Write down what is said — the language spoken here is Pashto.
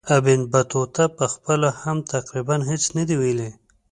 ابن بطوطه پخپله هم تقریبا هیڅ نه دي ویلي.